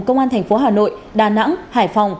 công an thành phố hà nội đà nẵng hải phòng